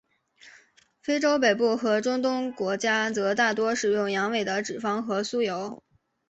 非洲北部和中东国家则大多使用羊尾的脂肪和酥油。